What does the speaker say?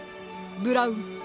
ブラウン。